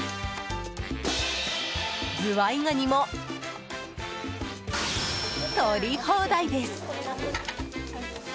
ズワイガニも取り放題です。